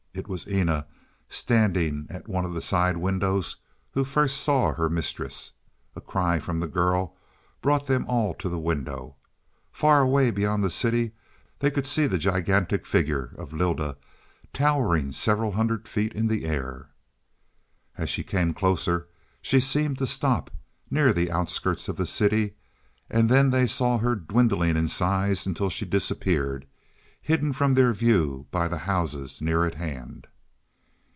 It was Eena, standing at one of the side windows, who first saw her mistress. A cry from the girl brought them all to the window. Far away beyond the city they could see the gigantic figure of Lylda, towering several hundred feet in the air. As she came closer she seemed to stop, near the outskirts of the city, and then they saw her dwindling in size until she disappeared, hidden from their view by the houses near at hand.